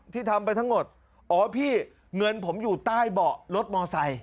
ทำไปทั้งหมดอ๋อพี่เงินผมอยู่ใต้เบาะรถมอไซค